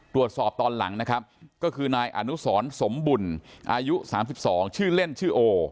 ตอนหลังนะครับก็คือนายอนุสรสมบุญอายุ๓๒ชื่อเล่นชื่อโอ